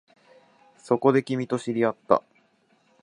そこで、君と知り合った